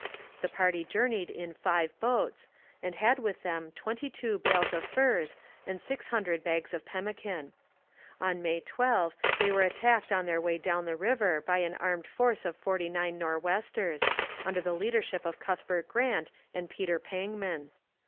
The party journeyed in five boats, and had with them twenty two bales of furs and six hundred bags of pemmican. On May 12 they were attacked on their way down the river by an armed force of forty nine Nor'westers, under the leadership of Cuthbert Grant and Peter Pangman.